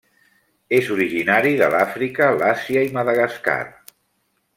És originari de l'Àfrica, l'Àsia i Madagascar.